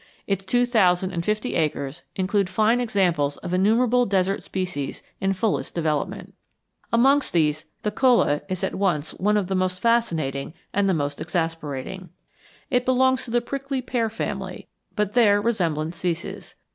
Its two thousand and fifty acres include fine examples of innumerable desert species in fullest development. Among these the cholla is at once one of the most fascinating and the most exasperating. It belongs to the prickly pear family, but there resemblance ceases.